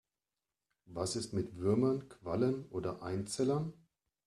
Was ist mit Würmern, Quallen oder Einzellern?